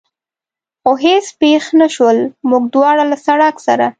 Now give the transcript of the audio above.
خو هېڅ پېښ نه شول، موږ دواړه له سړک سره.